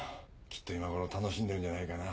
きっと今頃楽しんでるんじゃないかな。